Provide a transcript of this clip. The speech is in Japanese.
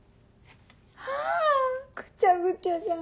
あぁ！ぐちゃぐちゃじゃん。